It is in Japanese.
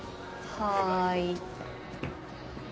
はい。